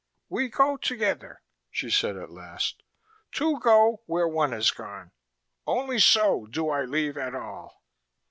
"We go together," she said at last "Two go where one has gone. Only so do I leave at all."